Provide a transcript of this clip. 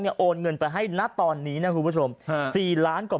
โอนเงินไปให้ณตอนนี้นะคุณผู้ชมสี่ล้านกว่า